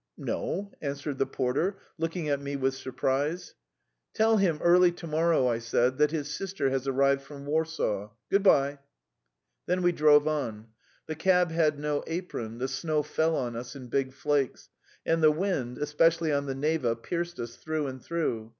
"No," answered the porter, looking at me with surprise. "Tell him, early to morrow," I said, "that his sister has arrived from Warsaw. Good bye." Then we drove on. The cab had no apron, the snow fell on us in big flakes, and the wind, especially on the Neva, pierced us through and through.